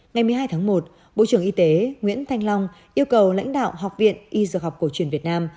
ngày một mươi hai tháng một bộ trưởng y tế nguyễn thanh long yêu cầu lãnh đạo học viện y dược học cổ truyền việt nam